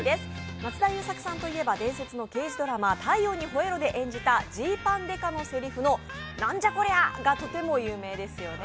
松田優作さんといえば伝説の刑事ドラマ「太陽にほえろ！」で演じたジーパン刑事のセリフの「なんじゃこりゃ！」がとても有名ですよね。